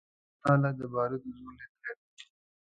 شاعره تا لا د باروتو زور لیدلی نه دی